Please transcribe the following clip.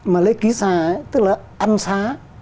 mà lễ ký xà tức là ăn xá